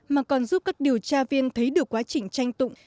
mà còn giúp các điều tra viên thấy được quá trình tranh tụng